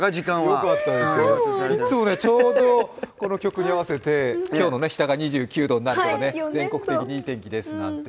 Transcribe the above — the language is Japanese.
よかったですよ、いつもちょうどこの曲に合わせて今日は日田が２９度になったとか、全国的にいい天気ですと。